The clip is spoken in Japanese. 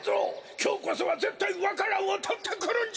きょうこそはぜったいわか蘭をとってくるんじゃ！